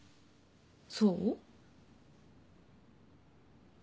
そう？